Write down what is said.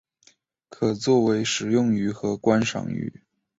可作为食用鱼和观赏鱼。